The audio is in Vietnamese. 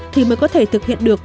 thì mới có thể thực hiện được